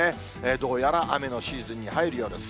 どうやら雨のシーズンに入るようです。